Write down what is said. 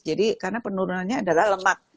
jadi karena penurunannya adalah lemak